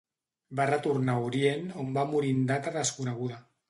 Va retornar a Orient on va morir en data desconeguda.